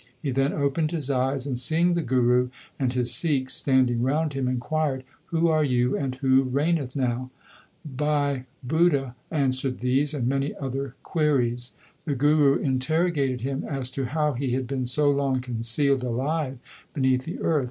He then opened his eyes, and seeing the Guru and his Sikhs standing round him, inquired, Who are you and who reigneth now ? Bhai Budha answered these and many other queries. The Guru interrogated him as to how he had been so long concealed alive beneath the earth.